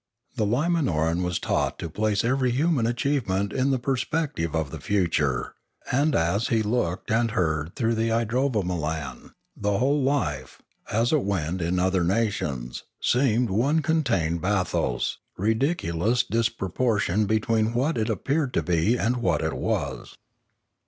The Limanoran was taught to place every human achievement in the perspective of the future, and as he looked and heard through the idrovamolan, the whole of life, as it went in other na tions, seemed one continued bathos, ridiculous dispro portion between what it appeared to be and what it was.